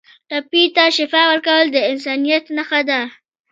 ټپي ته شفا ورکول د انسانیت نښه ده.